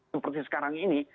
seperti sekarang ini